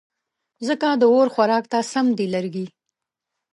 ځکه د اور خوراک ته سم دي لرګې